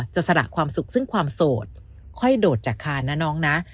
สละความสุขซึ่งความโสดค่อยโดดจากคานนะน้องนะ